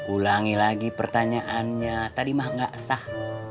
ulangi lagi pertanyaannya tadi mah gak sah